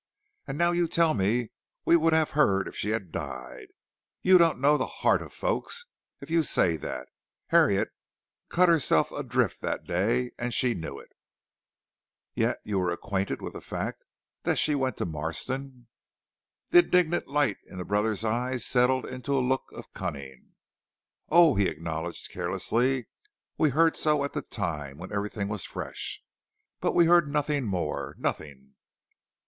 And now you tell me we would have heard if she had died. You don't know the heart of folks if you say that. Harriet cut herself adrift that day, and she knew it." "Yet you were acquainted with the fact that she went to Marston." The indignant light in the brother's eye settled into a look of cunning. "Oh," he acknowledged carelessly, "we heard so at the time, when everything was fresh. But we heard nothing more, nothing."